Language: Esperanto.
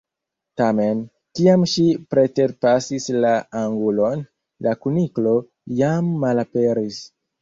Tamen, kiam ŝi preterpasis la angulon, la kuniklo jam malaperis.